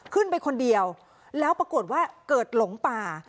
ขึ้นไปคนเดียวแล้วปรากฏว่าเกิดหลงป่า